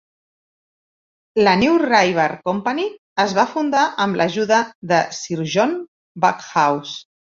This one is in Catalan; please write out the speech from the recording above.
La New River Company es va fundar amb l'ajuda de Sir John Backhouse.